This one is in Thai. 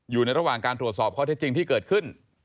อยู่ในระหว่างการตรวจสอบข้อเท็จจริงที่เกิดขึ้น